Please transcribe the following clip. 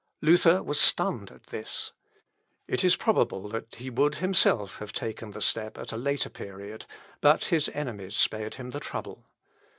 Luther was stunned at this. It is probable that he would himself have taken the step at a later period, but his enemies spared him the trouble.